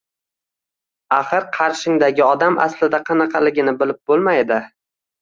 Axir qarshingdagi odam aslida qanaqaligini bilib boʻlmaydi